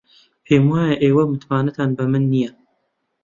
پێم وایە ئێوە متمانەتان بە من نییە.